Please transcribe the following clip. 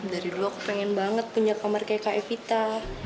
dari dulu aku pengen banget punya kamar kayak kak evita